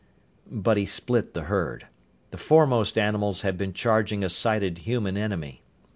But he split the herd. The foremost animals had been charging a sighted human enemy.